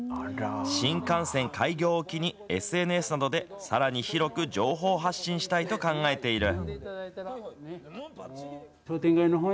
新幹線開業を機に、ＳＮＳなどでさらに広く情報発信したいと考えている。